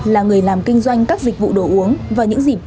là người làm kinh doanh các dịch vụ đồ uống